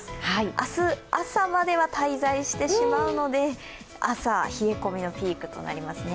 明日朝までは滞在してしまうので、朝、冷え込みのピークとなりますね